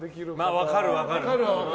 分かる、分かる。